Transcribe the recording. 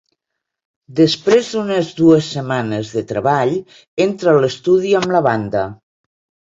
Després d'unes dues setmanes de treball, entra a l'estudi amb la banda.